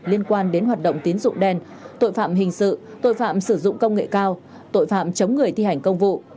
liên quan đến hoạt động tín dụng đen tội phạm hình sự tội phạm sử dụng công nghệ cao tội phạm chống người thi hành công vụ